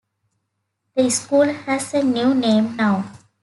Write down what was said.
The school has a new name now.